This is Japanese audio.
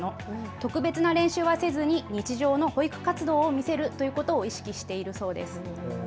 特別な練習はせずに日常の保育活動を見せるということを意識しているそうです。